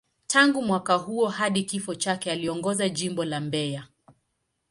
Tangu mwaka huo hadi kifo chake, aliongoza Jimbo la Mbeya.